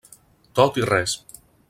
Tot i res.